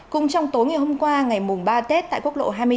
cùng trong tối ngày hôm qua ngày mùng ba tết tại quốc lộ hai mươi sáu